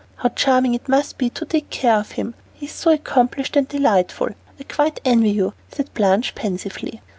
"How charming it must be to take care of him, he is so accomplished and delightful. I quite envy you," said Blanche pensively.